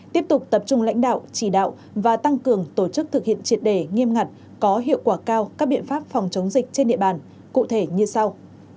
tiếp tục tập trung lãnh đạo chỉ đạo và tăng cường tổ chức thực hiện triệt đề nghiêm ngặt có hiệu quả cao các biện pháp phòng chống dịch trên địa bàn cụ thể như sau